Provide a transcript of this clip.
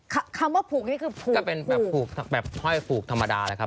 คำว่าผูกนี่คือผูกจะเป็นแบบผูกแบบห้อยผูกธรรมดานะครับ